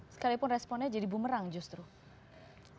sekalipun responnya jadi bumerang justru